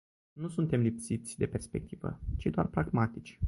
Nu suntem lipsiți de perspectivă, ci doar pragmatici.